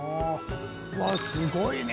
うわあすごいね。